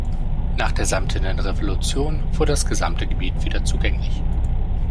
Nach der Samtenen Revolution wurde das gesamte Gebiet wieder zugänglich.